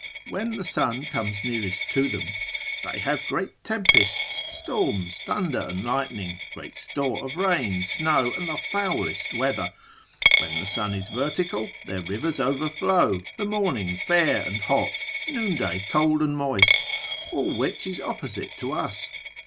when the sun comes nearest to them, they have great tempests, storms, thunder and lightning, great store of rain, snow, and the foulest weather: when the sun is vertical, their rivers overflow, the morning fair and hot, noonday cold and moist: all which is opposite to us.